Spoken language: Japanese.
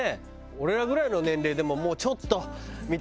俺らぐらいの年齢でももうちょっとみたいな。